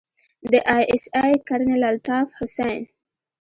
د آى اس آى کرنيل الطاف حسين.